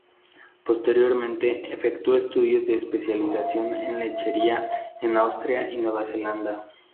Posteriormente, efectuó estudios de especialización en Lechería en Australia y Nueva Zelanda.